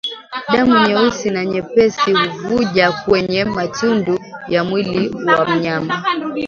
Damu nyeusi na nyepesi huvuja kwenye matundu ya mwili wa mnyama